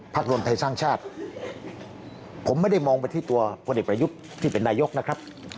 ภักดิ์รวมไทยสร้างชาติผมไม่ได้มองไปที่ตัวผู้เด็กประยุทธ์ที่เป็นไดโยคนะครับ